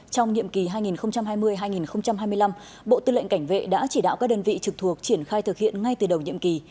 trong nhiệm kỳ hai nghìn hai mươi hai nghìn hai mươi năm bộ tư lệnh cảnh vệ đã chỉ đạo các đơn vị trực thuộc triển khai thực hiện ngay từ đầu nhiệm kỳ